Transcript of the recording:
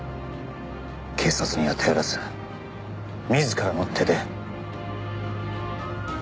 警察には頼らず自らの手で。